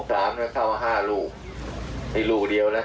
ว่าเราจะอยู่กับอย่างไรต่อไปในวันหน้า